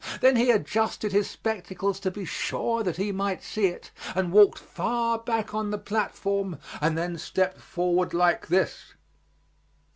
Then he adjusted his spectacles to be sure that he might see it, and walked far back on the platform and then stepped forward like this.